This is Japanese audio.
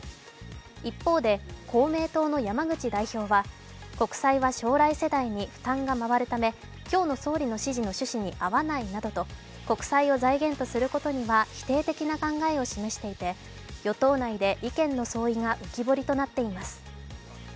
一方で、公明党の山口代表は、国債は将来世代に負担が回るため今日の総理の指示の趣旨に合わないなどと、国債を財源とすることには否定的な考えを示していて与党内で意見の相違が浮き彫りとなっています。